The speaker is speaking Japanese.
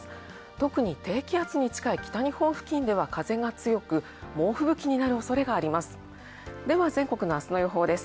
特に、低気圧に近い北日本付近は特に風が強く、猛吹雪になる恐れがあります。